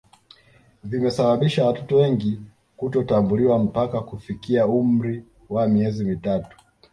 vimesababisha watoto wengi kutotambuliwa mpaka kufikia umri wa miezi mitatu